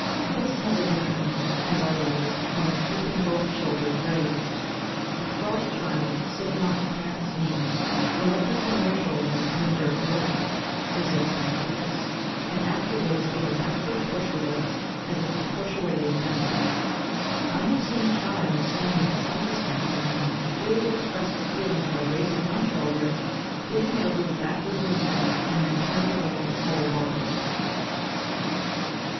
This has a different meaning, as, I believe, from the keeping both shoulders raised. A cross child, sitting on its parent's knee, will lift up the near shoulder, then jerk it away, as if from a caress, and afterwards give a backward push with it, as if to push away the offender. I have seen a child, standing at some distance from any one, clearly express its feelings by raising one shoulder, giving it a little backward movement, and then turning away its whole body.